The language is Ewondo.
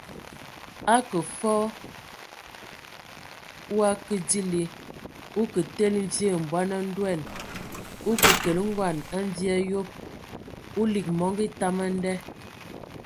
Akə fɔɔ o akə dili,o kə tele mvie mbɔn a ndoan, o ke kele ngoan a mvie a yob, o lig mɔngɔ etam a nda !